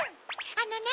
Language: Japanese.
あのね